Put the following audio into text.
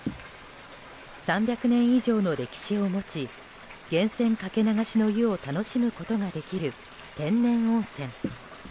３００年以上の歴史を持ち源泉かけ流しの湯を楽しむことができる天然温泉。